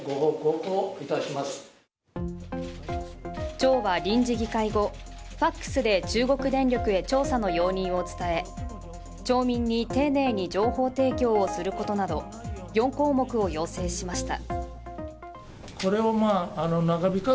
町は臨時議会後、ＦＡＸで中国電力で調査の容認を伝え町民に丁寧に情報提供をすることなど４項目を要請しました。